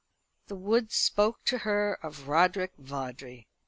The woods spoke to her of Roderick Vawdrey.